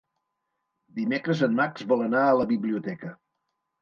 Dimecres en Max vol anar a la biblioteca.